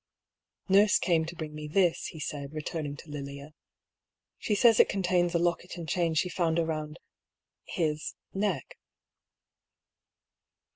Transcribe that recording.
" Nurse came to bring me this," he said, returning to Lilia. '^ She says it contains a locket and chain she found around — ^his — neck."